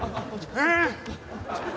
えっ？